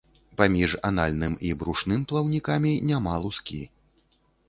Паміж анальным і брушным плаўнікамі няма лускі.